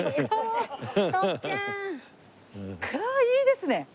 いいですね。